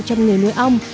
trong người nuôi ong